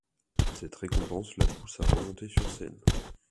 Cette récompense la pousse à remonter sur scène.